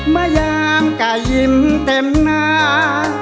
มายามก็ยิ้มเต็มหน้า